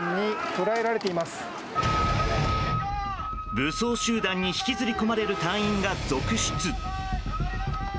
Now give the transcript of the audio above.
武装集団に引きずり込まれる隊員が続出。